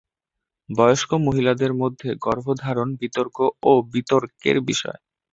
বয়স্ক মহিলাদের মধ্যে গর্ভধারণ বিতর্ক ও বিতর্কের বিষয়।